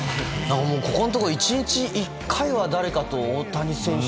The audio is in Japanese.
ここのところ、１日１回は誰かと大谷選手